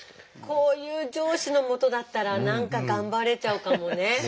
こういう上司の下だったら何か頑張れちゃうかもね。